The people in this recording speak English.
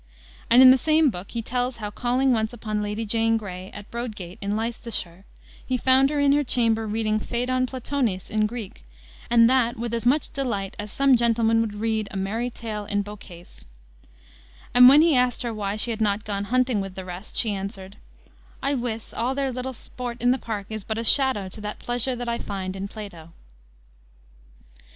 And in the same book he tells how calling once upon Lady Jane Grey, at Brodegate, in Leicestershire, he "found her in her chamber reading Phaedon Platonis in Greek, and that with as much delite as some gentlemen would read a merry tale in Bocase," and when he asked her why she had not gone hunting with the rest, she answered, "I wisse, all their sport in the park is but a shadow to that pleasure that I find in Plato."